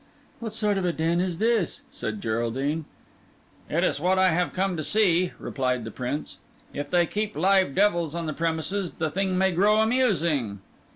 "What sort of a den is this?" said Geraldine. "That is what I have come to see," replied the Prince. "If they keep live devils on the premises, the thing may grow amusing."